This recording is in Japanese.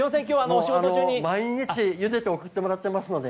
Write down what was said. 毎日、ゆでて送ってもらっていますので。